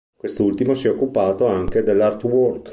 Quest'ultimo si è occupato anche dell'artwork.